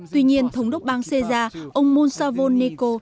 tuy nhiên thống đốc bang sê gia ông monsalvo neko